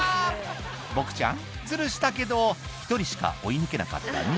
ボクちゃんズルしたけど１人しか追い抜けなかったね